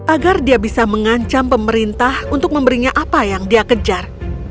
agar dia bisa mengancam pemerintah untuk memberinya apa yang dia kejar